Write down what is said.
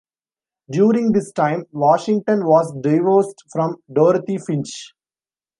During this time, Washington was divorced from Dorothy Finch.